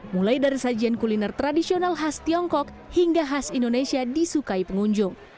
mulai dari sajian kuliner tradisional khas tiongkok hingga khas indonesia disukai pengunjung